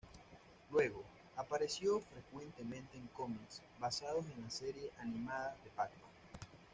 Luego, apareció frecuentemente en cómics basados en la serie animada de Batman.